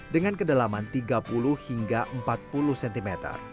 dengan kedalaman tiga puluh hingga empat puluh cm